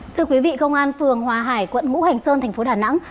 thưa quý vị công an phường hòa hải quận ngũ hành sơn thành phố đà nẵng